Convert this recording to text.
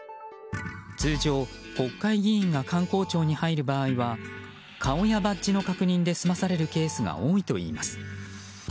通常、国会議員が官公庁に入る場合は顔やバッジの確認で済まされるケースが多いといいます。